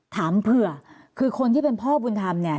ถามเผื่อคือคนที่เป็นพ่อบุญธรรมเนี่ย